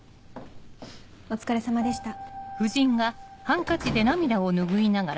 お疲れさまでした。